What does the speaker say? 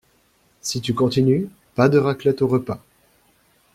Si tu continues, pas de raclette au repas.